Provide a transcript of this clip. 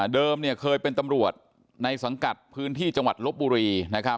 เคยเป็นตำรวจในสังกัดพื้นที่จังหวัดลบบุรี